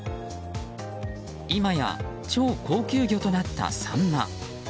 今や超高級魚となったサンマ。